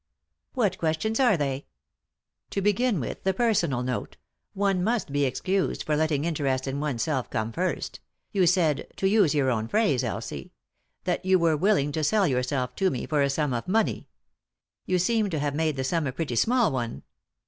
" What questions are they ?"" To begin with the personal note — one must be excused for letting interest in oneself come first — you said — to use your own phrase, Elsie !— that you were willing to sell yourself to me for a sum of money. You seem to have made the sum a pretty small one.